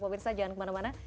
pemirsa jangan kemana mana